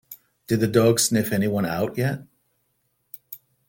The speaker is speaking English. Did the dog sniff anyone out yet?